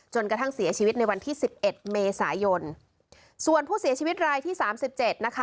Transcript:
กระทั่งเสียชีวิตในวันที่สิบเอ็ดเมษายนส่วนผู้เสียชีวิตรายที่สามสิบเจ็ดนะคะ